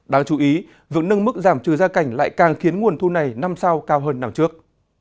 đáng chú ý việc nâng mức giảm trừ gia cảnh lại càng khiến nguồn thu này năm sau cao hơn năm trước